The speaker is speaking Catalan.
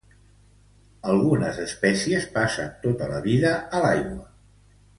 Algunes espècies passen tota la vida a l'aigua.